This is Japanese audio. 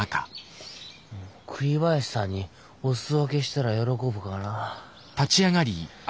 栗林さんにおすそ分けしたら喜ぶかな。